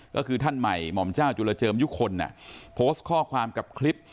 ก็คือท่านใหม่หม่อมเจ้าจุลเจิมยุคลโพสต์ข้อความกับคลิป